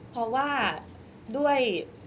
เพราะว่าด้วย